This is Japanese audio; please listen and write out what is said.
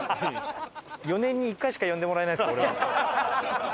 ４年に１回しか呼んでもらえないんですか俺は。